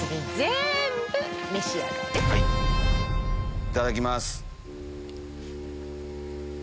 いただきます。